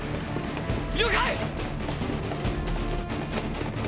了解！！